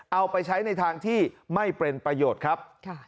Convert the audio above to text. เอาไปใช้ในทางที่ไม่เป็นประโยชน์ครับ